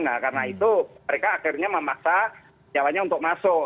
nah karena itu mereka akhirnya memaksa jalannya untuk masuk